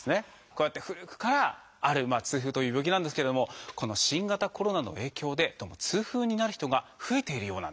こうやって古くからある痛風という病気なんですけれどもこの新型コロナの影響でどうも痛風になる人が増えているようなんです。